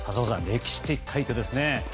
歴史的快挙ですね。